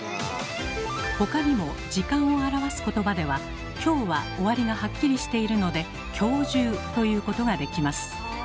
他にも時間を表す言葉では「今日」は終わりがハッキリしているので「今日中」と言うことができます。